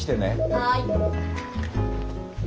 はい。